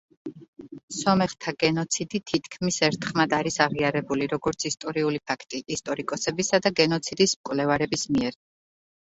სომეხთა გენოციდი თითქმის ერთხმად არის აღიარებული, როგორც ისტორიული ფაქტი ისტორიკოსებისა და გენოციდის მკვლევარების მიერ.